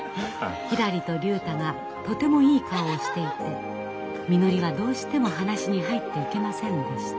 ひらりと竜太がとてもいい顔をしていてみのりはどうしても話に入っていけませんでした。